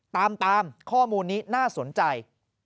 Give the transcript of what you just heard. ตามข้อมูลนี้น่าสนใจ